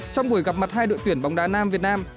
trong buổi gặp mặt hai đội tuyển bóng đá nam việt nam